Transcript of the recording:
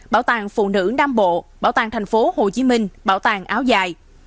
bảo tàng phụ nữ nam bộ bảo tàng tp hcm bảo tàng áo dài